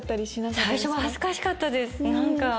最初は恥ずかしかったです。